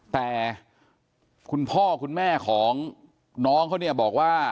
แต่คุณพ่อคุณแม่ของน้องเขาเนี่ยบอกว่า